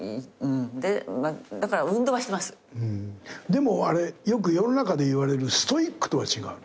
でもあれよく世の中でいわれるストイックとは違う？